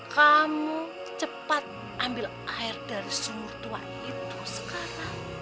kamu cepat ambil air dari sumur tua itu sekarang